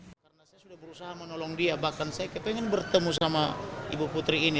karena saya sudah berusaha menolong dia bahkan saya ingin bertemu sama ibu putri ini